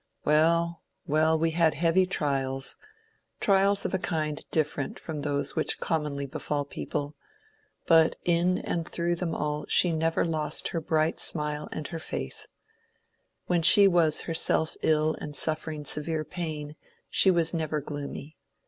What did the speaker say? Well — well — we had heavy trials ; trials of a kind different from those which commonly befall people ; but in and through them all she never lost her bright smile and her faith. When she was herself ill and suffering severe pain she was never gloomy.